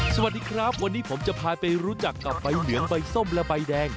สวัสดีครับวันนี้ผมจะพาไปรู้จักกับใบเหลืองใบส้มและใบแดง